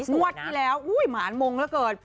งวดที่แล้วหมานมงแล้วเกิด